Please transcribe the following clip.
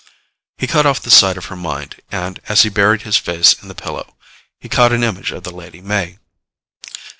He cut off the sight of her mind and, as he buried his face in the pillow, he caught an image of the Lady May.